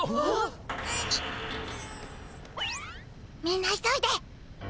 みんな急いで！